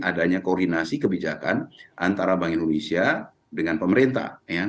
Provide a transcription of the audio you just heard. adanya koordinasi kebijakan antara bank indonesia dengan pemerintah